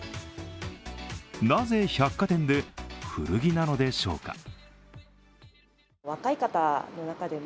なぜ百貨店で古着なのでしょうか。